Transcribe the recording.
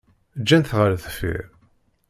Ǧǧan-t ɣer deffir.